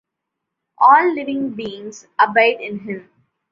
All living beings abide in Him.